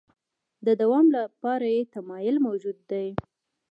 د دوام لپاره یې تمایل موجود دی.